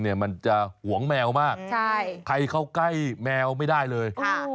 ดูปังหิ้วคอเนี่ย